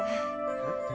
えっ？